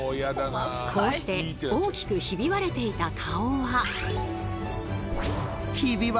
こうして大きくひび割れていた顔は。